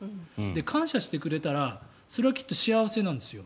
感謝してくれたらそれはきっと幸せなんですよ。